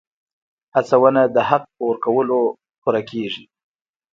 هڅونه د حق په ورکولو پوره کېږي.